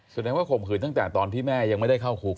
แสดงว่าข่มขืนตั้งแต่ตอนที่แม่ยังไม่ได้เข้าคุก